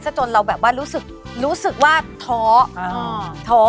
ซะจนเราแบบว่ารู้สึกรู้สึกว่าท้อ